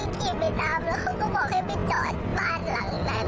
ขี่ไปตามแล้วเขาก็บอกให้ไปจอดบ้านหลังนั้น